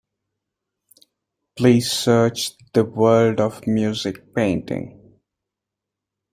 Please search The World of Music painting.